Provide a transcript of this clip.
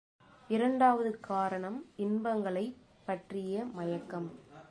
இரண்டாவது காரணம் இன்பங்களைப் பற்றிய மயக்கம்.